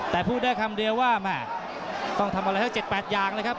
แต่พูดได้คำเดียวว่าแม่ต้องทำอะไรทั้ง๗๘อย่างเลยครับ